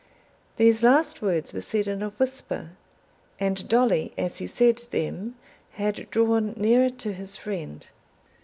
These last words were said in a whisper, and Dolly as he said them had drawn nearer to his friend.